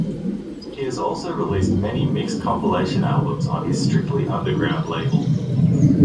He has also released many mixed compilation albums on his Strictly Underground label.